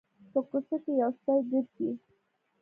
په کوڅه کې یو سپی ګرځي